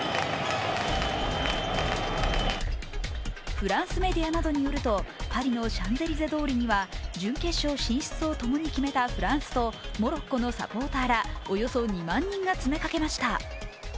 フランスメディアなどによると、パリのシャンゼリゼ通りには準決勝進出をともに決めたフランスとモロッコのサポーターらおよそ２万人が詰めかけました。